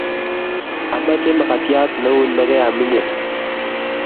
Amache mkatiat neunie negeam inye